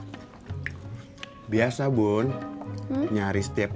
v petsat cari pesan untuk lips